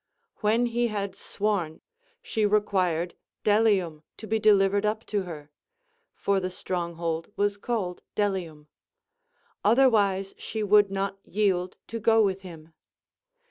When he had sworn, she required Delium to be delivered up to her (for the stronghold was called Delium), otherwise she would not yield to go with him.